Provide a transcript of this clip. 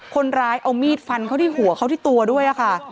คนร้ายเอามีดฟันเขาที่หัวเขาที่ตัวด้วยค่ะ